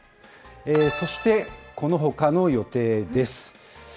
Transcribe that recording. そして、このほかの予定です。